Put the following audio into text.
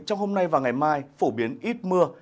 trong hôm nay và ngày mai phổ biến ít mưa